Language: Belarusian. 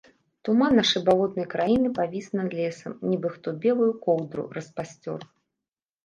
Туман нашай балотнай краіны павіс над лесам, нібы хто белую коўдру распасцёр.